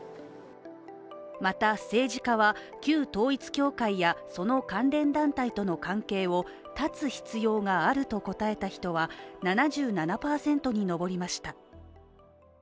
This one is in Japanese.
また、政治家は旧統一教会やその関連団体との関係を断つ必要があると答えた人は７７％に上りました。